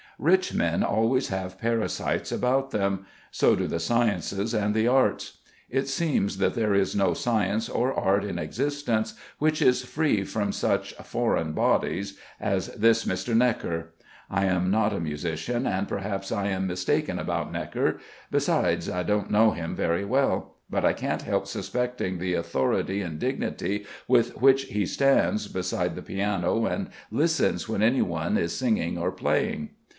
Rich men always have parasites about them. So do the sciences and the arts. It seems that there is no science or art in existence, which is free from such "foreign bodies" as this Mr. Gnekker. I am not a musician and perhaps I am mistaken about Gnekker, besides I don't know him very well. But I can't help suspecting the authority and dignity with which he stands beside the piano and listens when anyone is singing or playing.